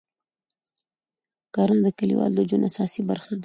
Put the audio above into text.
کرنه د کلیوالو د ژوند اساسي برخه ده